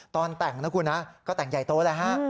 ตอนแต่งนะคุณนะก็แต่งใหญ่โตแล้วฮะ